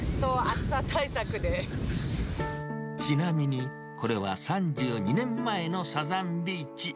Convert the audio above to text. ちなみに、これは３２年前のサザンビーチ。